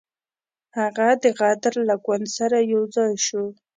هغه د غدر له ګوند سره یو ځای شو.